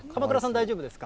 大丈夫です。